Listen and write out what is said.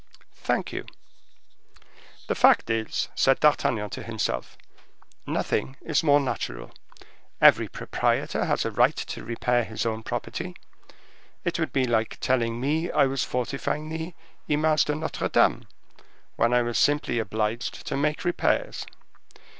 "Thank you." "The fact is," said D'Artagnan to himself, "nothing is more natural; every proprietor has a right to repair his own property. It would be like telling me I was fortifying the Image de Notre Dame, when I was simply obliged to make repairs.